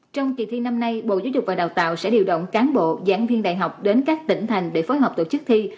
trong kỳ thi năm nay bộ giáo dục và đào tạo sẽ điều động cán bộ giảng viên đại học đến các tỉnh thành để phối hợp tổ chức thi